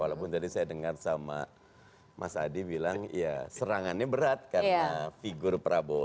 walaupun tadi saya dengar sama mas adi bilang ya serangannya berat karena figur prabowo